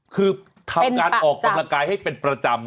คือทำการออกกำลังกายให้เป็นประจำ